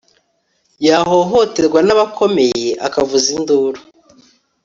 yahohoterwa n'abakomeye akavuza induru